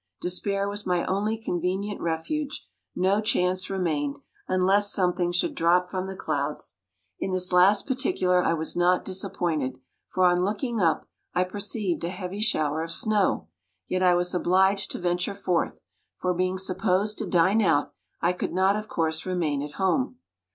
Despair was my only convenient refuge; no chance remained, unless something should drop from the clouds. In this last particular I was not disappointed; for, on looking up, I perceived a heavy shower of snow, yet I was obliged to venture forth; for being supposed to dine out, I could not of course remain at home.